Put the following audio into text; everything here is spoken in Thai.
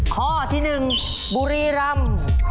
ข้อที่หนึ่งบุรีรำ